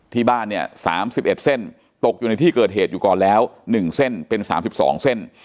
ที่บ้านเนี่ย๓๑เส้นตกอยู่ในที่เกิดเหตุอยู่ก่อนแล้ว๑เส้นเป็น๓๒เส้น